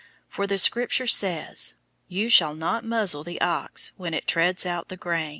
005:018 For the Scripture says, "You shall not muzzle the ox when it treads out the grain."